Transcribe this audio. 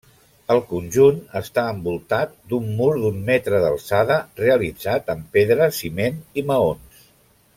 El conjunt està envoltat d'un mur d'un metre d'alçada, realitzat amb pedra, ciment i maons.